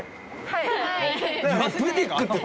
はい。